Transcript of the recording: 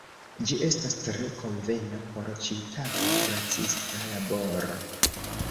Ĝi estas tre konvena por ĉiutaga kuracista laboro.